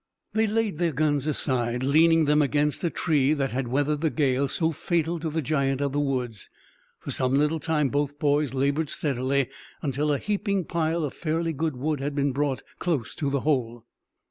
They laid their guns aside, leaning them against a tree that had weathered the gale so fatal to the giant of the woods. For some little time both boys labored steadily, until a heaping pile of fairly good wood had been brought close to the hole.